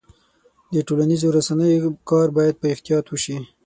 د ټولنیزو رسنیو کار باید په احتیاط وشي.